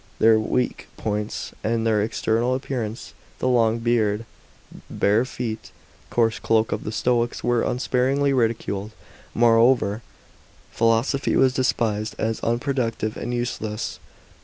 Their weak points and their external appearance — the long beard, bare feet, coarse cloak* ot the Stoics — were unsparingly ridiculed. More over, philosophy was despised as unproductive and useless.